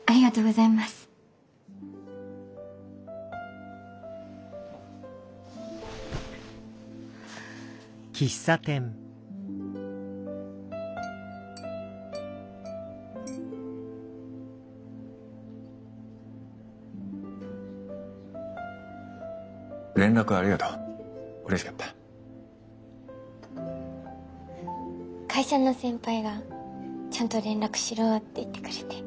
会社の先輩が「ちゃんと連絡しろ」って言ってくれて。